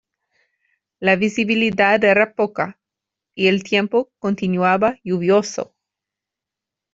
La visibilidad era poca y el tiempo continuaba lluvioso.